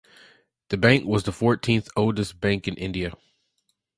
The bank was the fourteenth oldest bank in India.